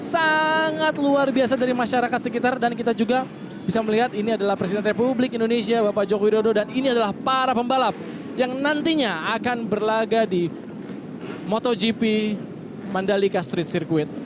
sangat luar biasa dari masyarakat sekitar dan kita juga bisa melihat ini adalah presiden republik indonesia bapak joko widodo dan ini adalah para pembalap yang nantinya akan berlaga di motogp mandalika street circuit